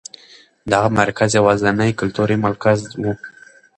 دغه مرکز یوازېنی کلتوري مرکز و.